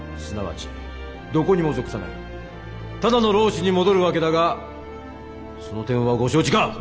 すなわちどこにも属さないただの浪士に戻るわけだがその点はご承知か！